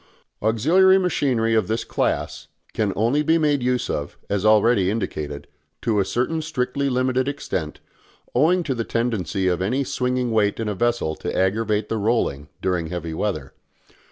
Auxiliary machinery of this class can only be made use of, as already indicated, to a certain strictly limited extent, owing to the tendency of any swinging weight in a vessel to aggravate the rolling during heavy weather.